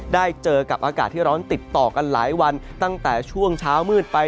ได้เจอกับอากาศที่ร้อนติดต่อกันหลายวันตั้งแต่ช่วงเช้ามืดไป